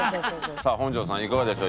さあ本条さんいかがでした？